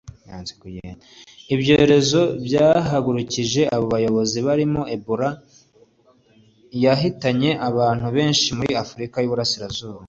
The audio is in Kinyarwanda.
Ibyorezo byahagurukije abo bayobozi birimo Ebola yahitanye abantu benshi muri Afurika y’Iburengerazuba